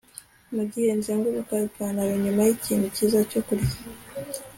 mugihe nzenguruka ipantaro nyuma yikintu cyiza cyo kurya